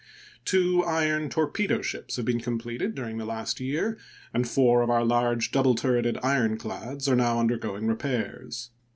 Two iron torpedo ships have been completed during the last year, and four of our large double turreted ironclads are now undergoing repairs.